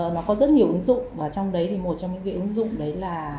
nó có rất nhiều ứng dụng và trong đấy thì một trong những cái ứng dụng đấy là